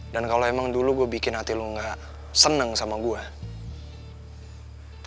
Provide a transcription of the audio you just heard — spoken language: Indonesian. dan kalau emang dulu gue bikin hati lo gak seneng sama gue